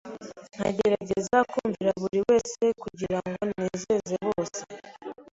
nkagerageza kumvira buri wese kugira ngo nezeze bose.